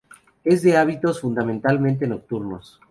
Es de hábitos fundamentalmente nocturnos.